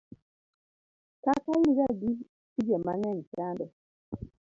kaka in ga gi tije mang'eny chande